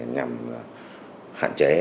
nhằm hạn chế